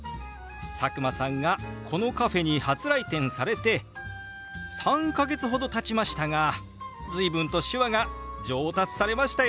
佐久間さんがこのカフェに初来店されて３か月ほどたちましたが随分と手話が上達されましたよね！